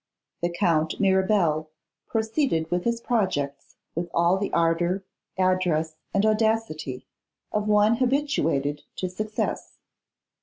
THE Count Mirabel proceeded with his projects with all the ardour, address, and audacity of one habituated to success.